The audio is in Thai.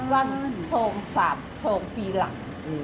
วันส่งสามส่งปีหลัง